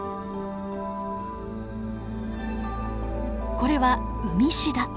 これはウミシダ。